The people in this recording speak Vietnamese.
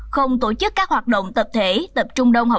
không tổ chức các hoạt động tập thể tập trung đông học